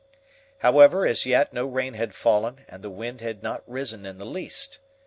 However, as yet, no rain had fallen, and the wind had not risen in the least.